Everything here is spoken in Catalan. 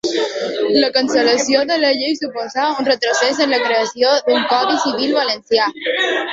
La cancel·lació de la llei suposà un retrocés en la creació d'un codi civil valencià.